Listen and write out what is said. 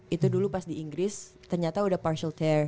itu dulu pas di inggris ternyata udah partial care